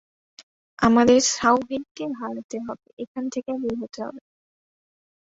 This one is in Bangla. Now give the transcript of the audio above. আমাদের শাওহেইকে হারাতে হবে এবং এখান থেকে বের হতে হবে।